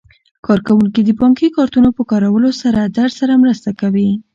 کارکوونکي د بانکي کارتونو په کارولو کې درسره مرسته کوي.